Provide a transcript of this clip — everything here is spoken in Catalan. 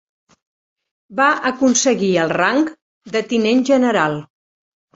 Va aconseguir el rang de tinent general.